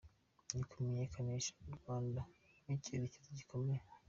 ni ukumenyekanisha u Rwanda nk’icyerekezo gikomeye